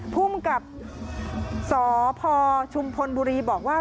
ภูมิกับสพชุมพลบุรีบอกว่า